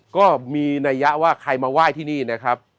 ก็มีนัยยะว่าใครมาไหว้ที่นี่นะครับ